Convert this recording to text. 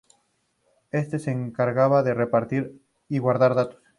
Este se encargaba de repartir y guardar datos.